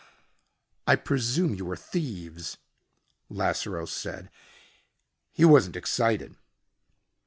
"I presume you are thieves?" Lasseroe said. He wasn't excited.